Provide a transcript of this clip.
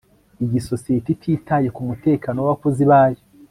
iyi sosiyete ititaye ku mutekano w'abakozi bayo